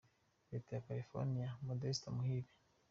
Leta ya California : Modeste Muhire.